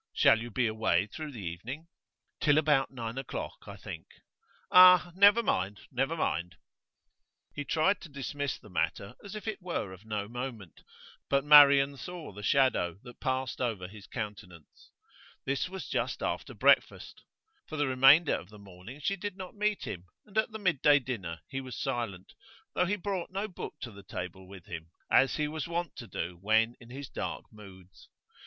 Shall you be away through the evening?' 'Till about nine o'clock, I think.' 'Ah! Never mind, never mind.' He tried to dismiss the matter as if it were of no moment, but Marian saw the shadow that passed over his countenance. This was just after breakfast. For the remainder of the morning she did not meet him, and at the mid day dinner he was silent, though he brought no book to the table with him, as he was wont to do when in his dark moods.